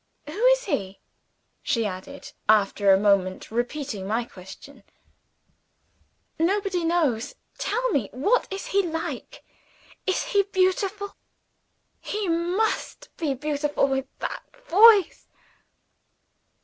'Who is he?'" she added, after a moment; repeating my question. "Nobody knows. Tell me what is he like. Is he beautiful? He must be beautiful, with that voice!"